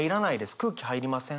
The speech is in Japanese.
空気入りません